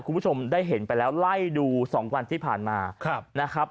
คุณผู้ชมได้เห็นไปแล้วไล่ดู๒วันที่ผ่านมานะครับ